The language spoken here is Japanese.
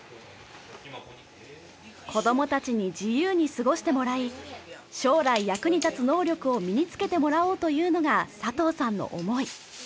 子どもたちに自由に過ごしてもらい将来役に立つ能力を身につけてもらおうというのが佐藤さんの思い。